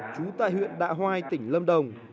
chú tại huyện đạ hoai tỉnh lâm đồng